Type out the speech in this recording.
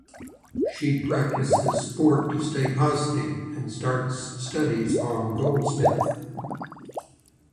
She practices sport to stay positive, and starts studies on goldsmith.